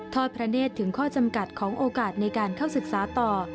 อดพระเนธถึงข้อจำกัดของโอกาสในการเข้าศึกษาต่อ